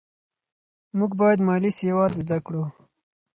موږ باید مالي سواد زده کړو.